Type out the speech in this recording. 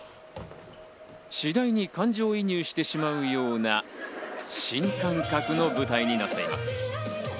次第に感情移入してしまうような新感覚の舞台になっています。